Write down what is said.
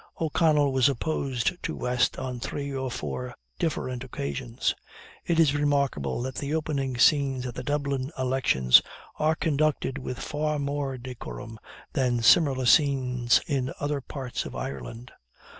O'Connell was opposed to West on three or four different occasions. It is remarkable that the opening scenes at the Dublin elections are conducted with far more decorum than similar scenes in other parts of Ireland.